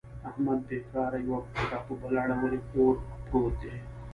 احمد بېکاره یوه پښه په بله اړولې کور پورت دی.